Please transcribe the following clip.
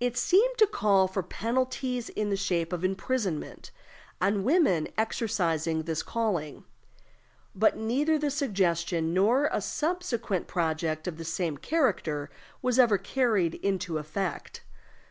It seemed to call for penalties, in the shape of imprisonment, on women exercising this calling. But neither this suggestion, nor a subsequent project of the same character was ever carried into effect.